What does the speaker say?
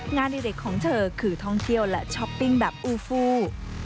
ในเด็กของเธอคือท่องเที่ยวและช้อปปิ้งแบบอูฟู